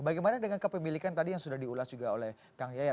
bagaimana dengan kepemilikan tadi yang sudah diulas juga oleh kang yayat